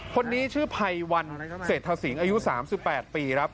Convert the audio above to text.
คนนี้ชื่อภัยวันเศรษฐสิงศ์อายุ๓๘ปีครับ